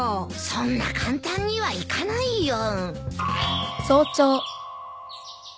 そんな簡単にはいかないよ。